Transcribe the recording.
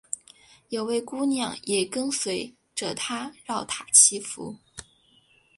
有位姑娘也跟随着他饶塔祈福。